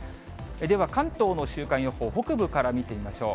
では関東の週間予報、北部から見てみましょう。